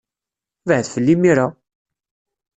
Bɛed fell-i imir-a!